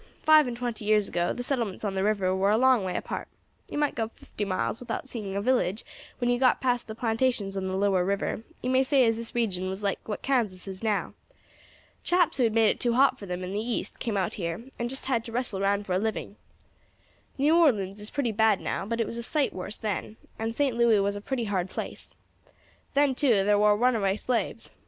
Five and twenty years ago the settlements on the river war a long way apart. You might go fifty miles without seeing a village when you once got past the plantations on the lower river; you may say as this region then was like what Kansas is now. Chaps who had made it too hot for them in the east came out here, and just had to wrestle round for a living. New Orleans is pretty bad now, but it was a sight worse then; and St. Louis was a pretty hard place. Then, too, thar war runaway slaves.